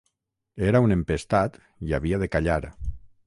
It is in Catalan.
Era un empestat i havia de callar.